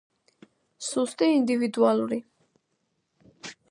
სუსტი ინდივიდუალური.